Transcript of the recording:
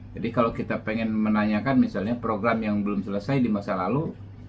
jadi kalau kita ingin menanyakan misalnya program yang belum selesai di masa lalu